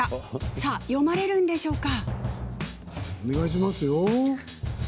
さあ、読まれるんでしょうか？